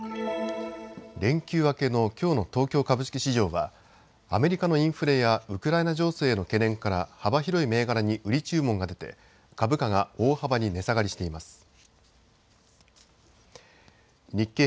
連休明けのきょうの東京株式市場はアメリカのインフレやウクライナ情勢への懸念から幅広い銘柄に売り注文が出て株価が大幅に値下がりしています。